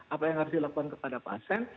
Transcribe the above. apa yang harus dilakukan kepada pasien